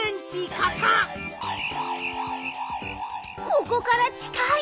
ここからちかい！